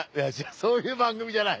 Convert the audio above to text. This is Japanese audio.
そういう番組じゃない。